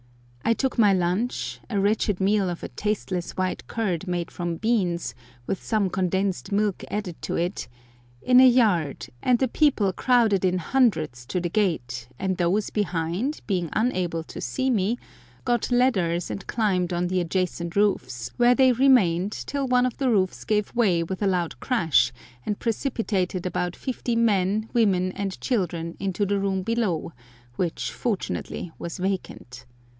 I took my lunch—a wretched meal of a tasteless white curd made from beans, with some condensed milk added to it—in a yard, and the people crowded in hundreds to the gate, and those behind, being unable to see me, got ladders and climbed on the adjacent roofs, where they remained till one of the roofs gave way with a loud crash, and precipitated about fifty men, women, and children into the room below, which fortunately was vacant.